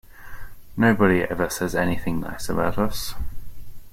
Nobody ever says anything nice about us.